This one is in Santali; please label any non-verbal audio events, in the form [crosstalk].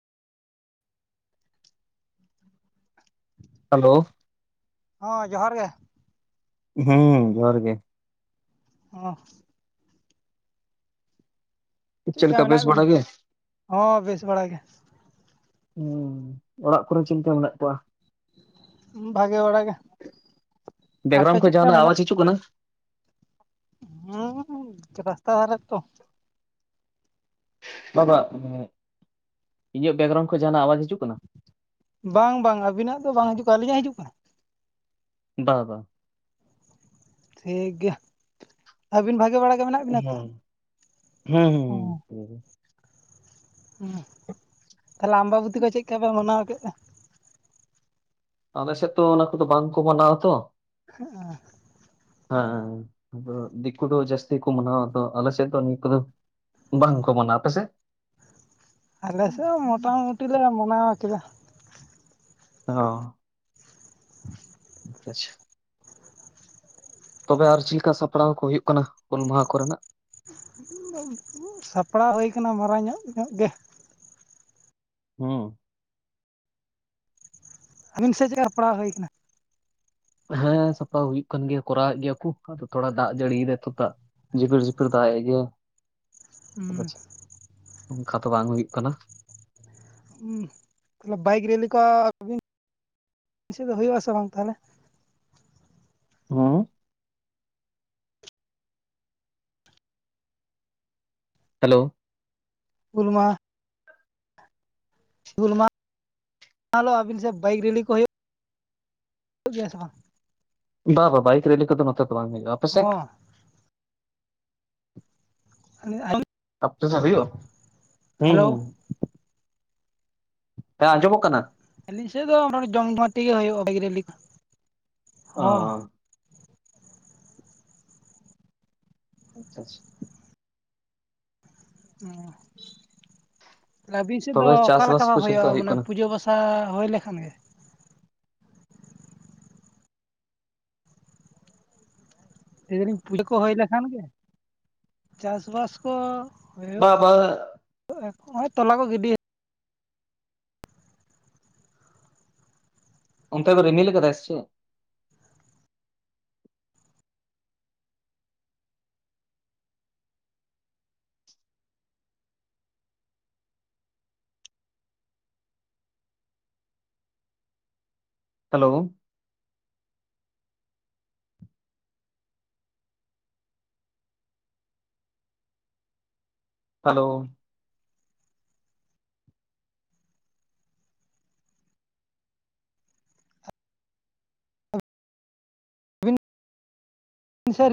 ᱦᱮᱞᱳ ᱦᱮᱸ ᱡᱚᱦᱟᱨ ᱜᱮ ᱦᱩᱸ ᱡᱚᱦᱟᱨ ᱜᱮ᱾ ᱚ ᱪᱮᱫ ᱞᱮᱠᱟ ᱵᱮᱥ ᱢᱮᱱᱟᱜ ᱵᱟᱲᱟ ᱵᱤᱱᱟ? ᱜᱮ? ᱦᱚᱸ ᱵᱮᱥ ᱵᱟᱲᱟ ᱜᱮ᱾ ᱦᱩᱸ ᱚᱲᱟᱜ ᱠᱚᱨᱮ ᱪᱮᱫ ᱞᱮᱠᱟ ᱢᱮᱱᱟᱜ ᱠᱚᱣᱟ? ᱵᱷᱟᱜᱮ ᱵᱟᱲᱟ ᱜᱮ ᱟᱯᱮ ᱵᱮᱜᱽᱨᱟᱢ ᱠᱷᱚᱱ ᱪᱮᱫᱠᱟ ᱡᱟᱦᱱᱟᱜ ᱟᱣᱟᱡ ᱦᱤᱡᱩᱜ ᱠᱟᱱᱟ? ᱦᱩᱸᱻᱨᱟᱥᱛᱟ ᱫᱷᱟᱨᱟᱮ ᱛᱚ᱾ ᱵᱟᱵᱟ ᱤᱧᱟᱹᱜ ᱵᱮᱠᱜᱨᱟᱣᱩᱱᱰ ᱠᱷᱚᱱ ᱡᱟᱦᱟᱱᱟᱜ ᱟᱣᱟᱡ ᱦᱤᱡᱩᱜ ᱠᱟᱱᱟ? ᱵᱟᱝ ᱵᱟᱝ ᱟᱹᱵᱤᱱᱟᱜ ᱫᱚ ᱵᱟᱝ ᱦᱤᱡᱩᱜ ᱠᱟᱱᱟ ᱟᱹᱞᱤᱧᱟᱜ ᱦᱤᱡᱩᱜ ᱠᱟᱱᱟ? ᱵᱟ ᱵᱟ ᱴᱷᱤᱠ ᱜᱮᱭᱟ ᱟᱹᱵᱤᱱ ᱵᱷᱟᱜᱮ ᱵᱟᱲᱟ ᱜᱮ ᱢᱮᱱᱟᱜ ᱵᱤᱱᱟ ᱛᱚ? ᱦᱮᱸ ᱦᱮᱸ ᱦᱩᱸ ᱦᱮᱸ ᱯᱩᱨᱟᱹ ᱦᱩᱸ ᱛᱟᱦᱚᱞᱮ ᱟᱢᱵᱟᱵᱚᱛᱤ ᱠᱚ ᱪᱮᱫ ᱞᱮᱠᱟ ᱯᱮ ᱢᱟᱱᱟᱣ ᱠᱮᱫᱼᱟ? ᱟᱞᱮ ᱥᱮᱫ ᱛᱚ ᱚᱱᱟ ᱠᱚᱫᱚ ᱵᱟᱝᱠᱚ ᱢᱟᱱᱟᱣᱟ ᱛᱚ᱾ ᱦᱮᱸ ᱦᱮᱸ ᱦᱮᱸ ᱟᱫᱚ ᱫᱤᱠᱩ ᱫᱚ ᱡᱟᱹᱥᱛᱤ ᱠᱩ ᱢᱟᱱᱟᱣᱟ ᱟᱫᱚ ᱟᱞᱮ ᱥᱮᱛ ᱫᱟᱜ ᱱᱤᱝᱠᱟᱹ ᱫᱚ, ᱵᱟᱝ ᱠᱚ ᱢᱟᱱᱟᱣᱟ, ᱟᱯᱮ ᱥᱮ? ᱟᱞᱮ ᱥᱮᱫ ᱢᱚᱴᱟᱢᱩᱴᱤ ᱞᱮ ᱢᱟᱱᱟᱣ ᱠᱮᱫᱟ᱾ ᱚ ᱟᱪᱪᱷᱟ ᱛᱚᱵᱮ ᱟᱨ ᱪᱮᱫ ᱞᱮᱠᱟ ᱥᱟᱯᱲᱟᱣ ᱠᱚ ᱦᱩᱭᱩᱜ ᱠᱟᱱᱟ ᱦᱩᱞ ᱢᱟᱦᱟ ᱠᱚ ᱨᱮᱱᱟᱜ ᱥᱟᱯᱲᱟᱣ ᱦᱳᱭ ᱠᱟᱱᱟ ᱢᱟᱨᱟᱝ ᱧᱚᱜ ᱧᱚᱜ ᱜᱮ ᱦᱩᱸ ᱟᱹᱵᱤᱱ ᱥᱮᱫ ᱪᱮᱫ ᱞᱮᱠᱟ ᱯᱟᱲᱟᱣ ᱦᱩᱭ ᱟᱠᱟᱱᱟ [unintelligible] ᱦᱮᱸ ᱥᱟᱯᱨᱟᱣ ᱦᱩᱭᱩᱜ ᱠᱟᱱ ᱜᱮᱭᱟ ᱠᱚᱨᱟᱣᱮᱫ ᱜᱮᱭᱟ ᱠᱚ ᱟᱫᱚ ᱛᱷᱚᱲᱟ ᱫᱟᱜ ᱡᱟᱹᱲᱤᱭᱟ ᱛᱟᱜ ᱡᱷᱤᱯᱤᱨ ᱡᱷᱤᱯᱤᱨ ᱫᱟᱜ ᱮᱫ ᱜᱮᱭᱟᱭ ᱟᱫᱚ ᱪᱮᱫ [unintelligible] ᱚᱱᱠᱟ ᱫᱚ ᱵᱟᱝ ᱦᱩᱭᱩᱜ ᱠᱟᱱᱟ ᱛᱟᱦᱮ ᱵᱟᱭᱤᱠ ᱨᱮᱞᱤ ᱠᱚ [inaudible] ᱥᱮᱫ ᱫᱚ ᱦᱩᱭᱩᱜ-ᱟ ᱥᱮ ᱵᱟᱝ ᱛᱟᱦᱚᱞᱮ ᱦᱮᱸ ᱦᱮᱞᱳ ᱦᱩᱞ ᱢᱟᱦᱟᱸ ᱦᱩᱞ ᱢᱟᱦᱟ [inaudible] ᱟᱹᱵᱤᱱ ᱥᱮᱫ ᱵᱟᱭᱤᱠ ᱨᱮᱞᱤ ᱠᱚ ᱦᱩᱭᱩᱜᱼᱟ ᱜᱮᱭᱟ ᱥᱮ ᱵᱟᱝ [unintelligible] ᱵᱟ ᱵᱟᱝ ᱵᱟᱭᱤᱠ ᱨᱮᱞᱤ ᱠᱚ ᱫᱚ ᱱᱚ ᱛᱮ ᱵᱟᱝ ᱦᱩᱭᱩᱜ ᱼᱟ, ᱟᱯᱮ ᱥᱮᱫ ᱦᱚᱸ [unintelligible] [unintelligible] ᱦᱩᱭᱩᱜ-ᱟ, ᱦᱩᱸ ᱦᱩᱸ᱾ ᱦᱮᱸ ᱟᱸᱡᱚᱢᱚᱜ ᱠᱟᱱᱟ ᱟᱹᱞᱤᱧ ᱥᱮᱫ ᱫᱚ ᱡᱚᱢ ᱡᱚᱢᱴᱤᱜ ᱜᱮ ᱦᱩᱭᱩᱜᱼᱟ ᱵᱟᱹᱭᱤᱠ ᱨᱮᱞᱤ ᱠᱚ ᱚ ᱟᱪᱪᱷᱟ ᱟᱪᱪᱷᱟ ᱛᱟᱦᱞᱮ ᱟᱹᱵᱤᱱ ᱥᱮᱫ ᱫᱚ ᱛᱚᱵᱮ ᱚᱠᱟ ᱞᱮᱠᱟ ᱪᱟᱥᱵᱟᱥ ᱠᱚ ᱵᱷᱟᱵ ᱪᱮᱫ ᱦᱩᱭᱩᱜᱼᱟ ᱦᱩᱭᱩᱜ ᱢᱟᱱᱮ ᱠᱟᱱᱟ ᱯᱩᱡᱟᱹ ᱯᱟᱥ ᱟ ᱦᱩᱭ ᱞᱮᱠᱷᱟᱱ ᱜᱮ ᱮᱧ ᱯᱩᱭᱞᱟᱹ [unintelligible] ᱠᱚ ᱦᱩᱭ ᱞᱮᱠᱷᱟᱱ ᱜᱮ ᱪᱟᱥ ᱵᱟᱥ ᱠᱚ ᱵᱟ ᱵ [unintelligible] ᱜᱚᱭ [unintelligible] ᱛᱚᱞᱟ ᱠᱚ ᱜᱤᱰᱤ ᱚᱱᱛᱮ ᱫᱚ ᱨᱤᱢᱤᱞ ᱠᱟᱫᱟᱭ ᱥᱮ ᱪᱮᱫ ᱦᱮᱞᱳ ᱦᱮᱞᱳ ᱥᱮ